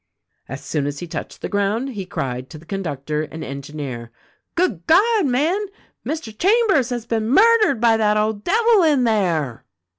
"As soon as he touched the ground he cried to the con ductor and engineer, 'Good God, men ! Mr. Chambers has been murdered by that old devil in there.'